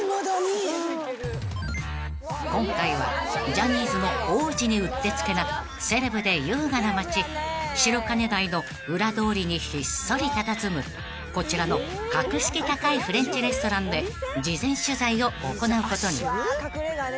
［今回はジャニーズの王子にうってつけなセレブで優雅な街白金台の裏通りにひっそりたたずむこちらの格式高いフレンチレストランで事前取材を行うことに］